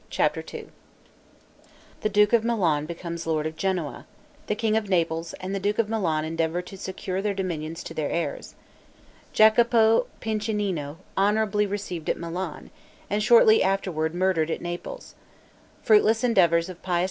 CHAPTER II The duke of Milan becomes lord of Genoa The king of Naples and the duke of Milan endeavor to secure their dominions to their heirs Jacopo Piccinino honorably received at Milan, and shortly afterward murdered at Naples Fruitless endeavors of Pius II.